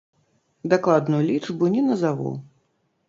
Дакладную лічбу не назаву.